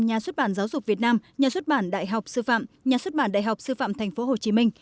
nhà xuất bản giáo dục việt nam nhà xuất bản đại học sư phạm nhà xuất bản đại học sư phạm tp hcm